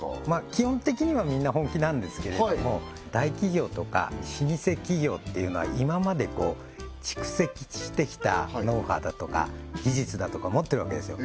基本的にはみんな本気なんですけれども大企業とか老舗企業っていうのは今まで蓄積してきたノウハウだとか技術だとか持ってるわけですよ